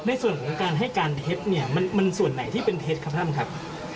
ในส่วนของการให้การเท็จเนี่ยมันส่วนไหนที่เป็นเท็จครับท่านครับ